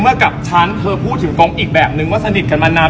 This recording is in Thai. กับฉันเธอพูดถึงกองอีกแบบนึงว่าสนิทกันมานาน